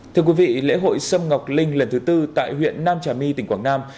thưa quý vị lễ hội sâm ngọc linh lần thứ tư tại huyện nam trà my tỉnh quảng nam